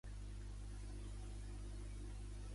També es coneix aquest centre com el recinte de Central City.